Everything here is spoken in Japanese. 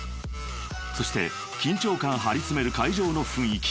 ［そして緊張感張り詰める会場の雰囲気］